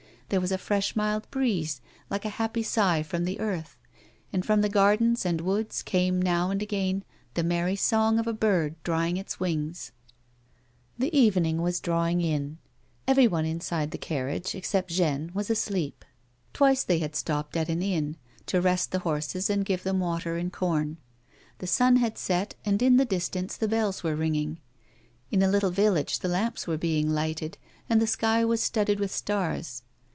There was a fresh mild breeze like a happy sigh from the earth, and from the gardens and woods came now and again the merry song of a bird drying his wings. The evening was drawing in ; everyone inside the carriage, except Jeanne, was asleep. Twice they had stopped at an inn, to rest the horses and give them water and corn. The sun had set, and in the distance the bells were ringing ; in a little village the lamps were being lighted, and the sky was studded with stars.